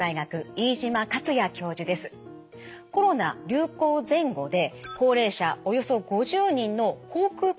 コロナ流行前後で高齢者およそ５０人の口くう